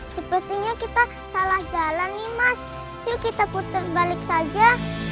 sepertinya kita salah jalan nih mas yuk kita putar balik saja